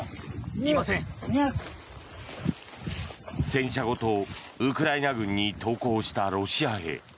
戦車ごとウクライナ軍に投降したロシア兵。